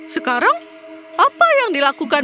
sekarang apa yang dilakukan